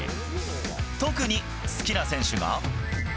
特に好きな選手が。